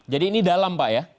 jadi ini dalam pak ya